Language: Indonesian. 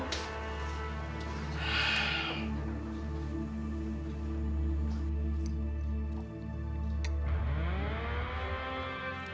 ya apa pak